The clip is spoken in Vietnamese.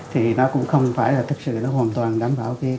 thì nó cũng không phải là thật sự hoàn toàn đảm bảo tính khách quan